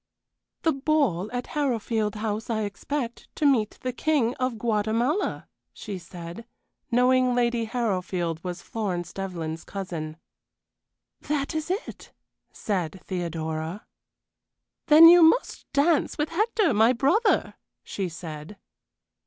"The ball at Harrowfield House, I expect, to meet the King of Guatemala," she said, knowing Lady Harrowfield was Florence Devlyn's cousin. "That is it," said Theodora. "Then you must dance with Hector my brother," she said.